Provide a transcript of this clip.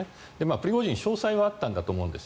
プリゴジン氏は商才はあったんだと思うんです。